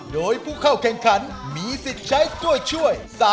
โดยผู้เข้าแข่งขันมีสิทธิ์ใช้ตัวช่วย